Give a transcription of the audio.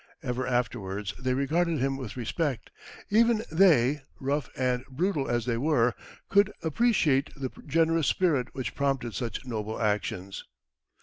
Ever afterwards they regarded him with respect. Even they, rough and brutal as they were, could appreciate the generous spirit which prompted such noble actions.